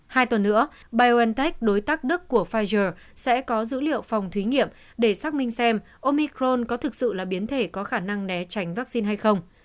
hai tuần nữa biontech đối tác đức của pfizer sẽ có dữ liệu phòng thí nghiệm để xác minh xem omicron có thực sự là biến thể có khả năng né tránh vaccine hay không